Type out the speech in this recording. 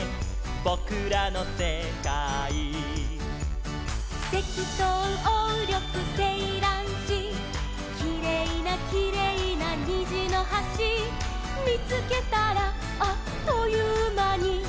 「ぼくらのせかい」「セキトウオウリョクセイランシ」「きれいなきれいなにじのはし」「みつけたらあっというまに」